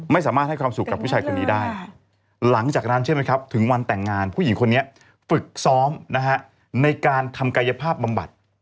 ไม่สามารถให้ความสุขกับผู้ชายคนนี้ได้หลังจากนั้นใช่ไหมครับถึงวันแต่งงานผู้หญิงคนนี้ฝึกซ้อมนะฮะในการทำกายภาพบำบัด